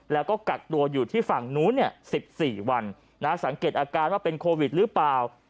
แล้วก็กักตัวอยู่ที่ฝั่งนู้น๑๔วันสังเกตอาการว่าเป็นโควิดหรือเปล่า